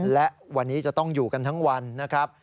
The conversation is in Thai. และวันนี้จะต้องอยู่กันทั้งวันนะครับ